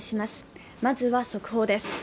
まずは速報です。